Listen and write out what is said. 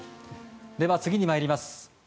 では次に参ります。